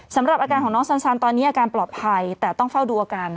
สำหรับอาการของน้องสันตอนนี้อาการปลอดภัยแต่ต้องเฝ้าดูอาการ